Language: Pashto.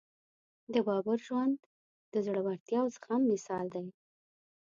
د بابر ژوند د زړورتیا او زغم مثال دی.